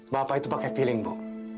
bapak itu pakai feeling bu